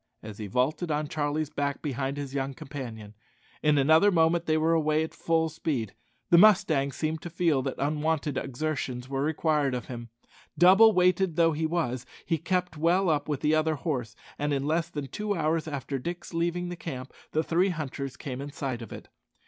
as he vaulted on Charlie's back behind his young companion. In another moment they were away at full speed. The mustang seemed to feel that unwonted exertions were required of him. Double weighted though he was, he kept well up with the other horse, and in less than two hours after Dick's leaving the camp the three hunters came in sight of it.